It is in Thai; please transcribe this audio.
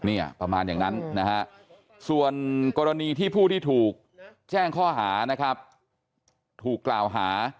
เนี่ยประมาณอย่างนั้นนะฮะส่วนกรณีที่ผู้ที่ถูกแจ้งข้อหานะครับถูกกล่าวหา